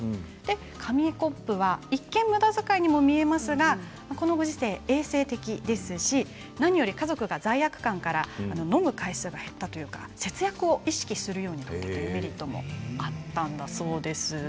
紙コップは一見むだづかいなようですが衛生的ですし何より家族が罪悪感から飲む回数が減ったというか節約を意識するようになったというメリットもあったそうです。